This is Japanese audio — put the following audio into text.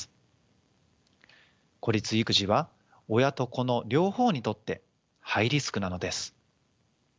孤立育児は親と子の両方にとってハイリスクなのです。